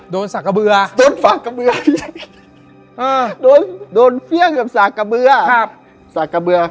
สากกระเบือโดนฝากกระเบือโดนเฟี้ยกับสากกระเบือสากกระเบือ